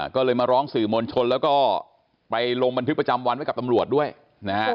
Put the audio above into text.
ก็เลยมาร้องสื่อมวลชนแล้วก็ไปลงบันทึกประจำวันไว้กับตำรวจด้วยนะฮะ